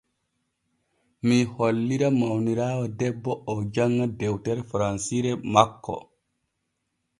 Mii hollira mawniraawo debbo oo janŋa dewtere faransiire makko.